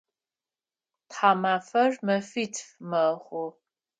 Тхьамафэр мэфитф мэхъу.